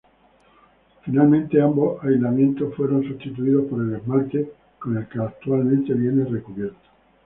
Finalmente, ambos aislamientos fueron sustituidos por el esmalte con el que actualmente viene recubierto.